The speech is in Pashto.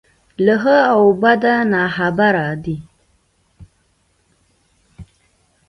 له ښه او بده ناخبره دی.